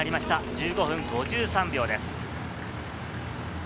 １５分５３秒です。